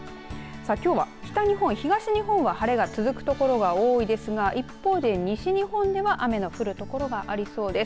きょうは北日本、東日本は晴れが続く所が多いですが一方で西日本では雨の降る所がありそうです。